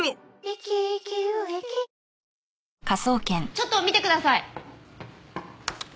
ちょっと見てください。